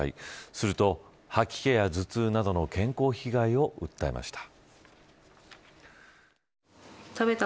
すると、吐き気や頭痛などの健康被害を訴えました。